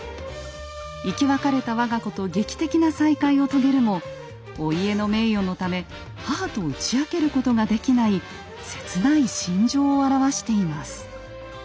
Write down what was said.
生き別れた我が子と劇的な再会を遂げるもお家の名誉のため母と打ち明けることができない切ない心情を表しています。